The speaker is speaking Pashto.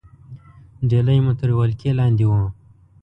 ډهلی مو تر ولکې لاندې وو.